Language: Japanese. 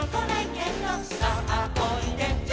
「さあおいで」